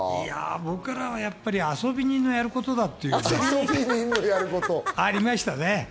僕らはやっぱり、遊び人のやるものだっていうのがありましたね。